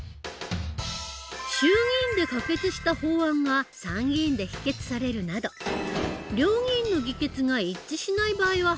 衆議院で可決した法案が参議院で否決されるなど両議院の議決が一致しない場合は廃案になる。